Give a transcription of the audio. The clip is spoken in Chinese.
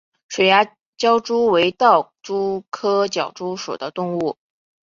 水涯狡蛛为盗蛛科狡蛛属的动物。